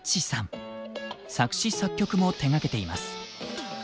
作詞・作曲も手がけています。